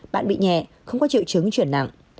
bạn bị nhẹ không có triệu chứng chuyển nặng